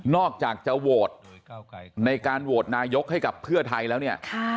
อกจากจะโหวตในการโหวตนายกให้กับเพื่อไทยแล้วเนี่ย